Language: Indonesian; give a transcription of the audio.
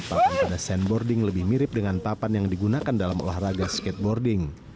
papan pada sandboarding lebih mirip dengan papan yang digunakan dalam olahraga skateboarding